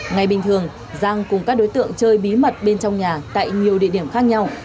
ngày bình thường giang cùng các đối tượng chơi bí mật bên trong nhà tại nhiều địa điểm khác nhau